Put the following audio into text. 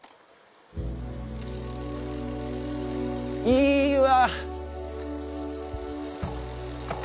いいわ！